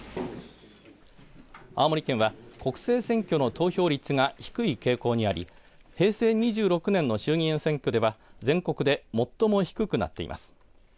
青森県は、国政選挙の投票率が低い傾向にあり平成２６年の衆議院選挙では全国で最も低くなっています。